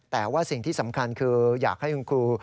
แต่ว่าสิ่งที่สำคัญคืออยากให้คุณครู